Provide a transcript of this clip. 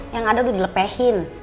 yang ada udah dilepehin